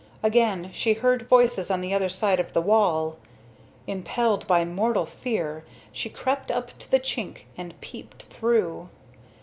Again she heard voices on the other side of the wall. Impelled by mortal fear, she crept up to the chink and peeped through.